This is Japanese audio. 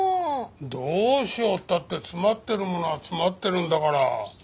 どうしようったって詰まってるものは詰まってるんだから。